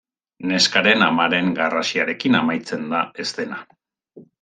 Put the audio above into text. Neskaren amaren garrasiarekin amaitzen da eszena.